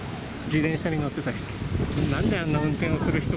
自転車に乗ってた人。